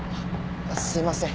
すいません。